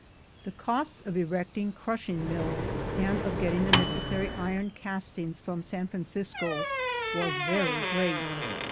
The cost of erecting crushing mills, and of getting the necessary iron castings from San Francisco, was very great.